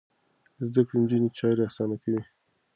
زده کړې نجونې چارې اسانه کوي.